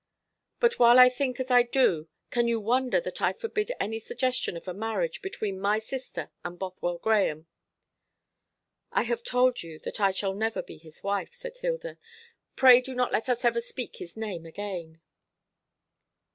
But while I think as I do, can you wonder that I forbid any suggestion of a marriage, between my sister and Bothwell Grahame?" "I have told you that I shall never be his wife," said Hilda. "Pray do not let us ever speak his name again."